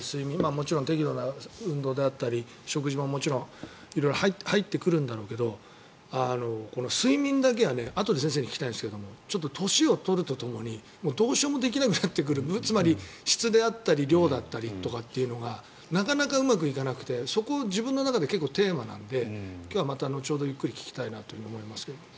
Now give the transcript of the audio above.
もちろん適度な運動であったり食事ももちろん色々入ってくるんだろうけど睡眠だけはあとで先生に聞きたいんですけどちょっと年を取るとともにどうしようもできなくなってくるつまり、質であったり量だったりとかってのがなかなかうまくいかなくてそこが自分の中でテーマなので今日は、また後ほどゆっくり聞きたいなと思いますけど。